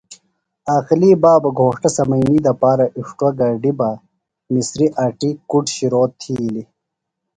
عاقلی بابہ گھوݜٹہ سمنئینی دپارہ اِݜٹوا گڈِیۡ بہ مسریۡ اٹیۡ کُڈ شرو تِھیلیۡ۔